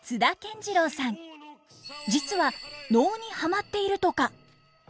実は能にハマっているとか。